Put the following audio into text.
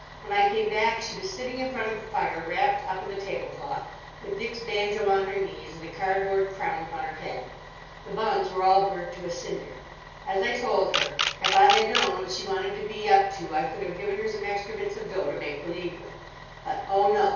When I came back she was sitting in front of the fire, wrapped up in the table cloth, with Dick's banjo on her knees and a cardboard crown upon her head. The buns were all burnt to a cinder. As I told her, if I had known what she wanted to be up to I could have given her some extra bits of dough to make believe with. But oh, no!